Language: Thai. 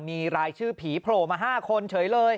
มีรายชื่อผีโผล่มา๕คนเฉยเลย